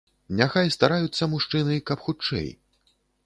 Няхай стараюцца мужчыны, каб хутчэй.